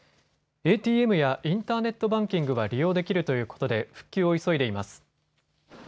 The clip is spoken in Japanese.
ＡＴＭやインターネットバンキングは利用できるということで復旧を急いでいます。